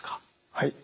はい。